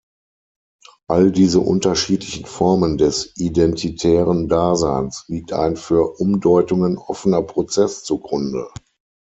All diese unterschiedlichen Formen des "identitären Daseins" liegt ein für Umdeutungen offener Prozess zugrunde.